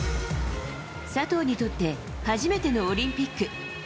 佐藤にとって初めてのオリンピック。